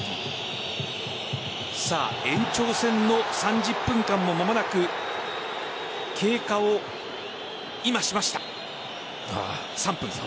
延長戦の３０分間も間もなく経過を今しました。